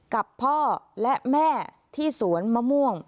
กับพ่อและแม่ที่สวนมะม่วง